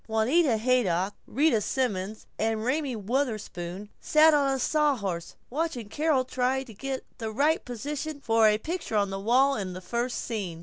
Juanita Haydock, Rita Simons, and Raymie Wutherspoon sat on a sawhorse, watching Carol try to get the right position for a picture on the wall in the first scene.